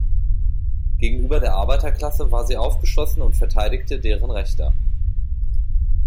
Gegenüber der Arbeiterklasse war sie aufgeschlossen und verteidigte deren Rechte.